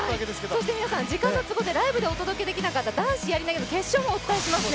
そして皆さん、時間の都合でライブでお届けできなかった男子やり投の決勝もお伝えしますね。